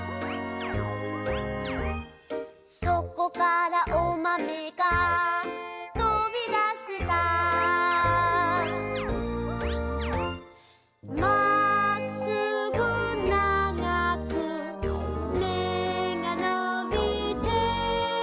「そこからおまめが飛びだした」「まっすぐ長く芽がのびて」